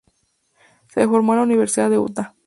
Se formó en la Universidad de Utah.